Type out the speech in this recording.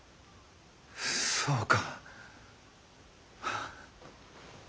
そうか。